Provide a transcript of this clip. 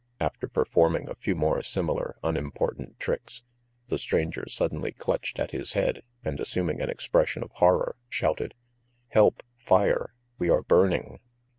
After performing a few more similar, unimportant tricks, the stranger suddenly clutched at his head, and assuming an expression of horror, shouted: "Help! Fire! We are burning!"